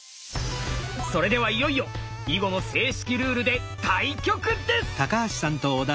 それではいよいよ囲碁の正式ルールで対局です！